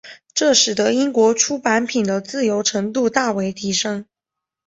这使得英国出版品的自由程度大为提升。